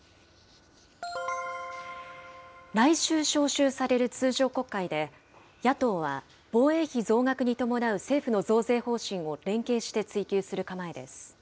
来週召集される通常国会で、野党は、防衛費増額に伴う政府の増税方針を連携して追及する構えです。